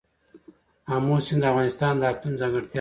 آمو سیند د افغانستان د اقلیم ځانګړتیا ده.